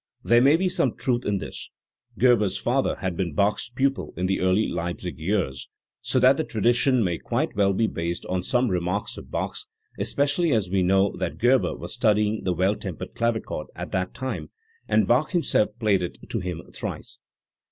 There may be some truth in this. Gerber* s father had been Bach's pupil in the early Leipzig years, so that the tradition may quite well be based on some remark of Bach's, especially as we know that Gerber was studying the Well tempered Clavichord at that time, and Bach himself played it to him thrice*.